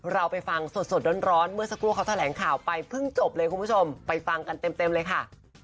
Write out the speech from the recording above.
เราไปฟังสดร้อนเมื่อสักครู่เขาแถลงข่าวไปเพิ่งจบเลยคุณผู้ชมไปฟังกันเต็มเลยค่ะ